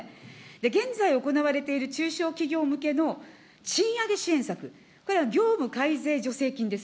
現在、行われている中小企業向けの賃上げ支援策、これは業務助成金です。